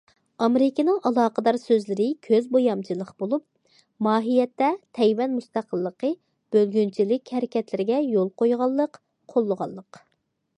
ئامېرىكىنىڭ ئالاقىدار سۆزلىرى كۆز بويامچىلىق بولۇپ، ماھىيەتتە« تەيۋەن مۇستەقىللىقى» بۆلگۈنچىلىك ھەرىكەتلىرىگە يول قويغانلىق، قوللىغانلىق.